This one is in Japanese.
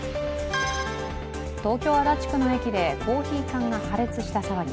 東京・足立区の駅でコーヒー缶が破裂した騒ぎ。